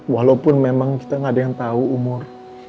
walaupun memang kita gak ada yang tau umur